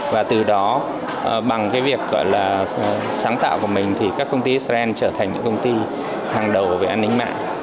và từ đó bằng việc sáng tạo của mình thì các công ty xrn trở thành những công ty hàng đầu về an ninh mạng